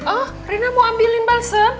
oh rina mau ambilin balsem